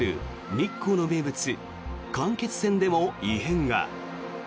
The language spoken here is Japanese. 日光の名物間欠泉でも異変が。